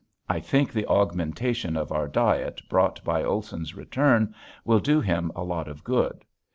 I think the augmentation of our diet brought by Olson's return will do him a lot of good.